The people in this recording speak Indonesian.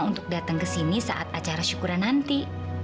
untuk datang ke sini saat acara syukuran nanti